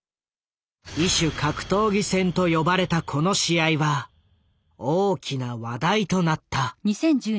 「異種格闘技戦」と呼ばれたこの試合は大きな話題となった。